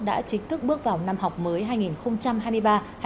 đã chính thức bước vào năm học mới hai nghìn hai mươi ba hai nghìn hai mươi bốn